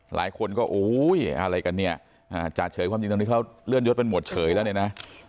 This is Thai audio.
หลายคนก็อุ้ยอะไรกันเนี่ยจ่าเฉยความจริงตรงนี้เขาเลื่อนยศเป็นหมวดเฉยแล้วเนี่ยนะ